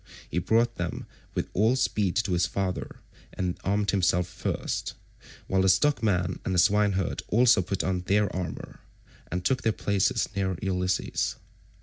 He brought them with all speed to his father, and armed himself first, while the stockman and the swineherd also put on their armour, and took their places near Ulysses.